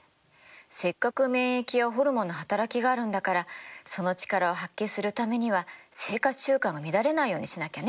せっかく免疫やホルモンの働きがあるんだからその力を発揮するためには生活習慣が乱れないようにしなきゃね。